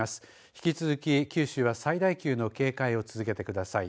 引き続き、九州は最大級の警戒を続けてください。